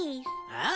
ああ。